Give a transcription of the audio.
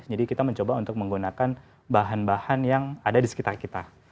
jadi kita mencoba untuk menggunakan bahan bahan yang ada di sekitar kita